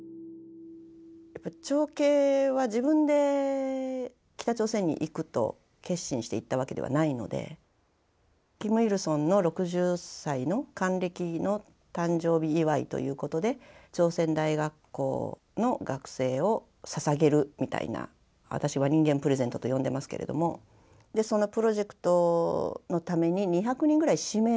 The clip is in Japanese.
長兄は自分で北朝鮮に行くと決心して行ったわけではないのでキムイルソンの６０歳の還暦の誕生日祝いということで朝鮮大学校の学生をささげるみたいな私は人間プレゼントと呼んでますけれどもそのプロジェクトのために２００人ぐらい指名されるんですね。